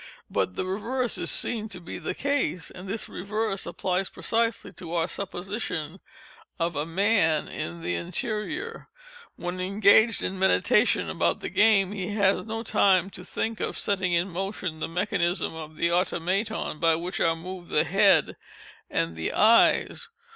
But the reverse is seen to be the case, and this reverse applies precisely to our supposition of a man in the interior. When engaged in meditation about the game he has no time to think of setting in motion the mechanism of the Automaton by which are moved the head and the eyes.